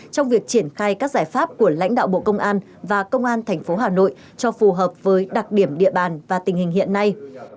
trong việc triển khai các giải pháp của lãnh đạo bộ công an và công an tp hà nội cho phù hợp với đặc điểm địa bàn và tình hình hiện nay